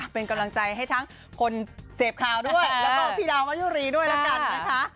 เป็นกำลังใจให้ทั้งคนเสพข่าวด้วยแล้วก็พี่ดาวมายุรีด้วยแล้วกันนะคะ